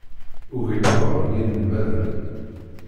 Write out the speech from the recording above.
Ugin ad ɣren yinelmaden.